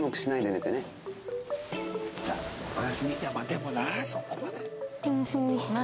でもなそこまで。